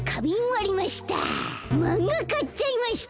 マンガかっちゃいました。